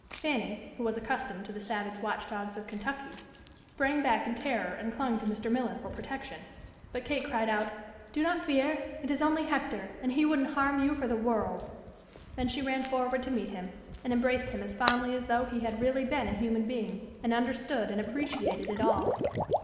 Fanny, who was accustomed to the savage watchdogs of Kentucky, sprang back in terror and clung to Mr. Miller for protection; but Kate cried out, "Do not fear; it is only Hector, and he wouldn't harm you for the world." Then she ran forward to meet him, and embraced him as fondly as though he had really been a human being, and understood and appreciated it all.